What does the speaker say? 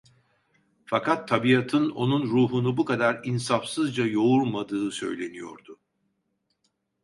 Fakat tabiatın onun ruhunu bu kadar insafsızca yoğurmadığı söyleniyordu.